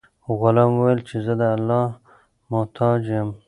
غلام وویل چې زه د الله محتاج یم.